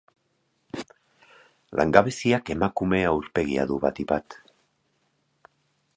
Langabeziak emakume aurpegia du, batik bat.